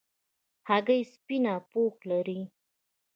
هګۍ سپینه پوښ لري.